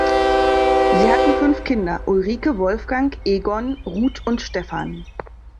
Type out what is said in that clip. Sie hatten fünf Kinder: Ulrike, Wolfgang, Egon, Ruth und Stephan.